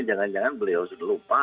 jangan jangan beliau sudah lupa